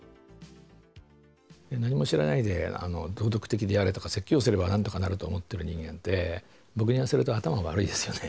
何も知らないで道徳的であれとか説教すればなんとかなると思ってる人間って僕に言わせると頭悪いですよね。